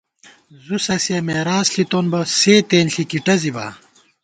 زُوسَسِیہ میراث ݪِتون بہ ، سے تېنݪی کی ٹزِبا